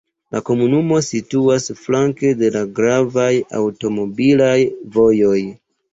La komunumo situas flanke de la gravaj aŭtomobilaj vojoj.